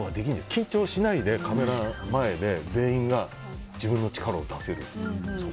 緊張しないでカメラ前で全員が自分の力を出せる。